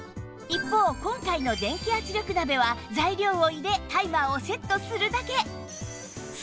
一方今回の電気圧力鍋は材料を入れタイマーをセットするだけ